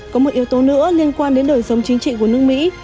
có một yếu tố nữa liên quan đến đời sống chính trị của nước mỹ